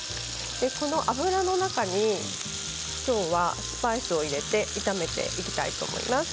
その脂の中にきょうはスパイスを入れて炒めていきたいと思います。